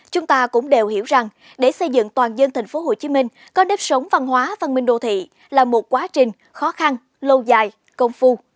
chúng ta cũng đều hiểu rằng để xây dựng toàn dân thành phố hồ chí minh có nếp sống văn hóa văn minh đô thị là một quá trình khó khăn lâu dài công phu